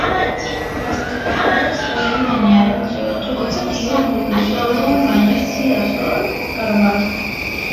Las cacatúas pueden dañar entre otros cultivos los de sorgo, maíz, girasol, garbanzos.